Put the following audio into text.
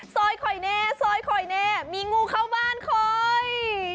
ซอยคอยแน่ซอยคอยแน่มีงูเข้าบ้านคอย